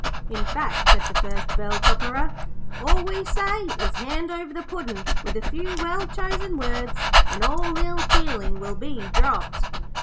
'In fact,' said the first bell topperer, 'all we say is, hand over the Puddin' with a few well chosen words, and all ill feeling will be dropped.'